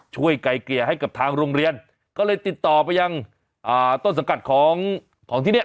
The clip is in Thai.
ช่วยไก่เกลี่ยให้กับทางโรงเรียนก็เลยติดต่อไปยังต้นสังกัดของที่นี่